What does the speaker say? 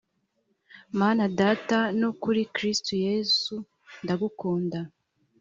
mana data no kuri kristo yesu ndagukunda